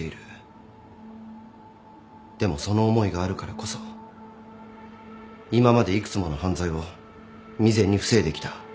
でもその思いがあるからこそ今まで幾つもの犯罪を未然に防いできた。